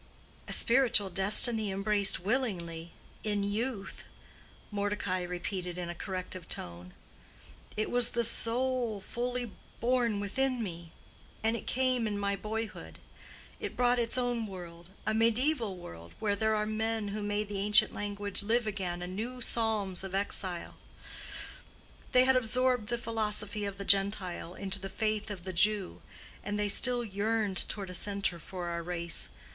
"A spiritual destiny embraced willingly—in youth?" Mordecai repeated in a corrective tone. "It was the soul fully born within me, and it came in my boyhood. It brought its own world—a mediaeval world, where there are men who made the ancient language live again in new psalms of exile. They had absorbed the philosophy of the Gentile into the faith of the Jew, and they still yearned toward a center for our race.